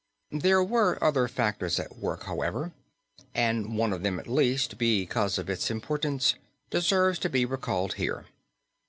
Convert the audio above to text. There were other factors at work, however, and one of them at least, because of its importance, deserves to be recalled here.